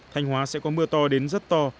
thanh hóa sẽ có mưa to đến rất to